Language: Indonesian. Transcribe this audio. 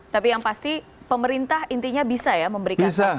tapi yang pasti pemerintah intinya bisa ya memberikan sanksi